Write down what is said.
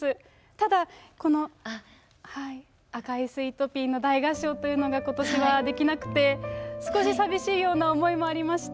ただ、この、赤いスイートピーの大合唱というのが、ことしはできなくて、少し寂しいような思いもありまして。